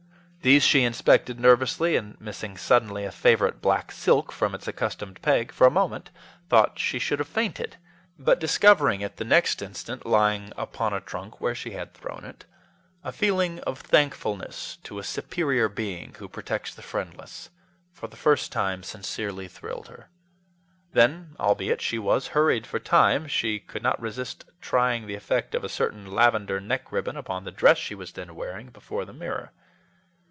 These she inspected nervously, and missing suddenly a favorite black silk from its accustomed peg, for a moment, thought she should have fainted. But discovering it the next instant lying upon a trunk where she had thrown it, a feeling of thankfulness to a superior Being who protects the friendless for the first time sincerely thrilled her. Then, albeit she was hurried for time, she could not resist trying the effect of a certain lavender neck ribbon upon the dress she was then wearing, before the mirror.